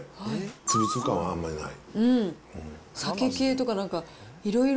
粒々感はあんまりない。